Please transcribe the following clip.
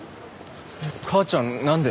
母ちゃんなんで？